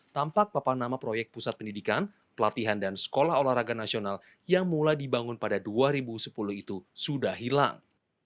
tampak papan nama proyek pusat pendidikan pelatihan dan sekolah olahraga nasional yang mulai dibangun pada dua ribu sepuluh itu sudah hilang